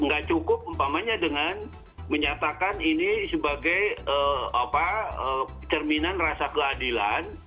nggak cukup umpamanya dengan menyatakan ini sebagai cerminan rasa keadilan